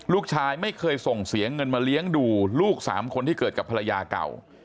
ลูกชายไม่เคยส่งเสียเงินมาเลี้ยงดูลูก๓คนที่เกิดกับภรรยาเก่า